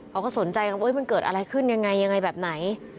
เขาก็สนใจกันว่ามันเกิดอะไรขึ้นยังไงยังไงแบบไหน